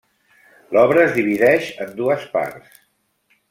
L'obra es divideix en dues parts.